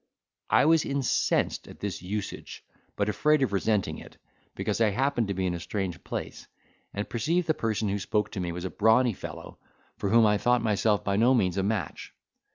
I was incensed at this usage, but afraid of resenting it, because I happened to be in a strange place, and perceived the person who spoke to me was a brawny fellow, for whom I thought myself by no means a match.